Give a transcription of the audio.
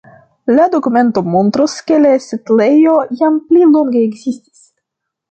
La dokumento montras, ke la setlejo jam pli longe ekzistis.